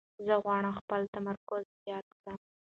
زه غواړم خپل تمرکز زیات کړم.